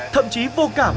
thậm chí vô cảm